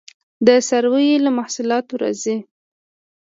د څارویو له محصولاتو راځي